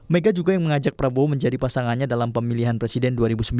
mega juga yang mengajak prabowo menjadi pasangannya dalam pemilihan presiden dua ribu sembilan belas